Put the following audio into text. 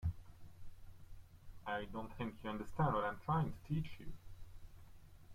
I don't think you understand what I'm trying to teach you.